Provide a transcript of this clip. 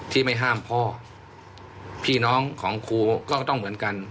ที่ไม่ห้ามพ่อพี่น้องของครูก็ต้องเหมือนกัน